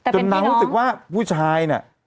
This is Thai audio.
นางรู้สึกว่าผู้ชายเนี่ย